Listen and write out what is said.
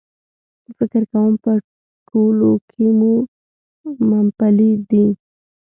فکر کوم په ټولو کې مومپلي دي.H